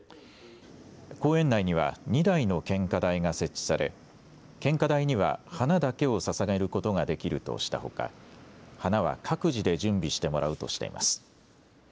公園内には２台の献花台が設置され献花台には花だけをささげることができるとしたほか、花は各自で準備してもらうとしています。